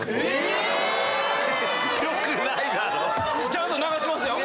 ちゃんと流しましたよ。